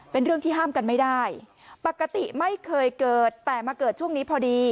เป็นเรื่องที่ห้ามกันไม่ได้ปกติไม่เคยเกิดแต่มาเกิดช่วงนี้พอดี